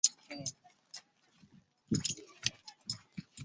阿彭维尔。